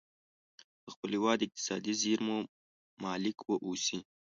د خپل هیواد اقتصادي زیرمو مالک واوسي.